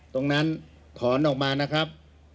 ตรงนั้นถอนออกมานะครับ